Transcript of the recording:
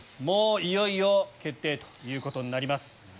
もういよいよ決定ということになります。